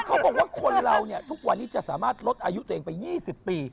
เขาบอกว่าคนเราเนี่ยทุกวันนี้จะสามารถลดอายุตัวเองไป๒๐ปี